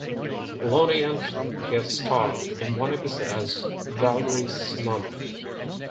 Loni Anderson guest-starred in one episode as Vallery's mother.